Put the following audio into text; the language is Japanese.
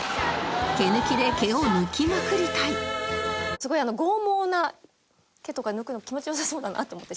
すごい剛毛な毛とか抜くの気持ち良さそうだなと思って。